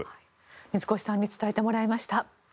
水越さんに伝えてもらいました。